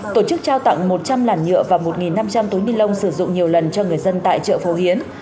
tổ chức trao tặng một trăm linh làn nhựa và một năm trăm linh túi ni lông sử dụng nhiều lần cho người dân tại chợ phố hiến